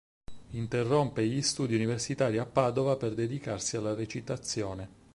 Interrompe gli studi universitari a Padova per dedicarsi alla recitazione.